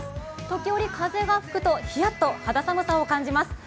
時折風が吹くとひやっと肌寒さを感じます。